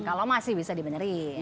kalau masih bisa dibenerin